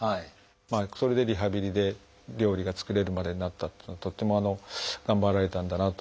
それでリハビリで料理が作れるまでになったというのはとっても頑張られたんだなと思います。